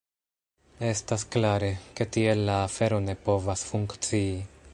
Estas klare, ke tiel la afero ne povas funkcii.